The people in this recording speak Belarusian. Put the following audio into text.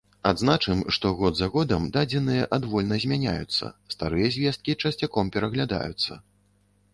Адзначым, што год за годам дадзеныя адвольна змяняюцца, старыя звесткі часцяком пераглядаюцца.